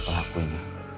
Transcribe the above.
tentang aku ini